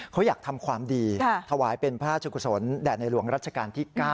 เขาอยากทำความดีถวายเป็นพระราชกุศลแด่ในหลวงรัชกาลที่๙